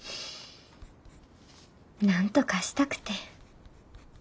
なんとかしたくて。